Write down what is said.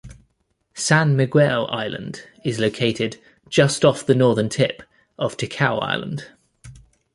San Miguel Island is located "just off the northern tip" of Ticao Island.